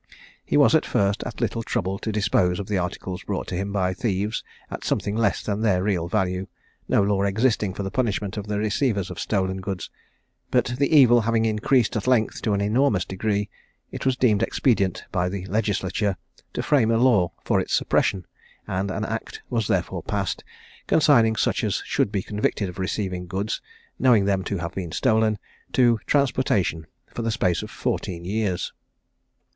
He was at first at little trouble to dispose of the articles brought to him by thieves at something less than their real value, no law existing for the punishment of the receivers of stolen goods; but the evil having increased at length to an enormous degree, it was deemed expedient by the legislature to frame a law for its suppression; and an act was therefore passed, consigning such as should be convicted of receiving goods, knowing them to have been stolen, to transportation for the space of fourteen years.